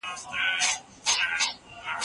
کار کول عیب نه دی.